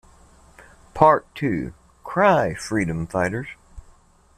Part Two", "Cry Freedom Fighters!